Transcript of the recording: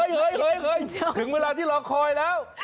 เคยถึงเวลาที่รอคอยแล้ว